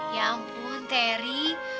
ya ampun teri